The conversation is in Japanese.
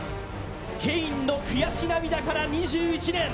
ケインの悔し涙から２１年。